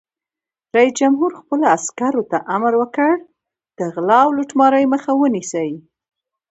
رئیس جمهور خپلو عسکرو ته امر وکړ؛ د غلا او لوټمارۍ مخه ونیسئ!